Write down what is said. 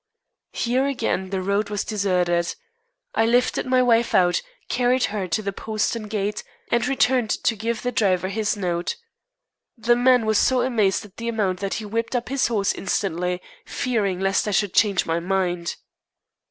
Here, again, the road was deserted. I lifted my wife out, carried her to the postern gate, and returned to give the driver his note. The man was so amazed at the amount that he whipped up his horse instantly, fearing lest I should change my mind.